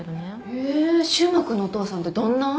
へぇ柊磨君のお父さんってどんな？